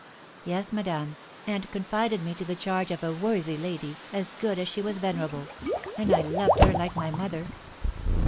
"Yes, madame, and confided me to the charge of a worthy lady, as good as she was venerable; and I loved her like my mother.